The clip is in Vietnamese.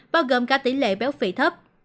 bao gồm cả tỷ lệ béo phị thấp